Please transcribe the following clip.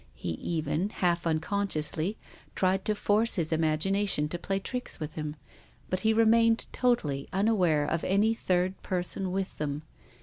He even, half unconsci ously, tried to force his imagination to play tricks with him. But he remained totally unaware of any third person with them.